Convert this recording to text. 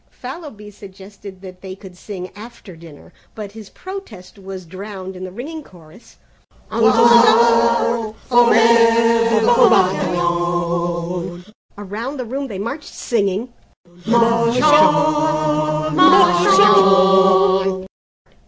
Fallowby suggested that they could sing after dinner, but his protest was drowned in the ringing chorus "Aux armes! Formez vos bataillons!" Around the room they marched singing, "Marchons!